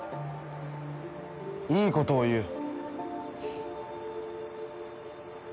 いいことを言う。